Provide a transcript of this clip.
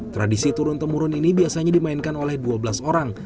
tradisi turun temurun ini biasanya dimainkan oleh dua belas orang